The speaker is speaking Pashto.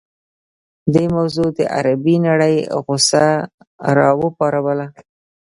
دې موضوع د عربي نړۍ غوسه راوپاروله.